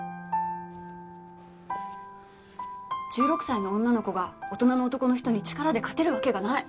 １６歳の女の子が大人の男の人に力で勝てるわけがない。